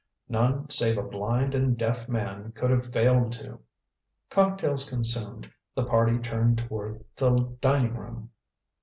None save a blind and deaf man could have failed to. Cocktails consumed, the party turned toward the dining room.